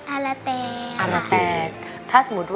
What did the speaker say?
อาราแตร์